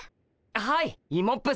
はいイモップっす。